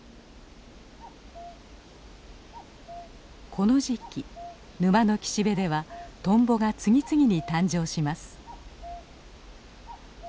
この時期沼の岸辺ではトンボが次々に誕生します。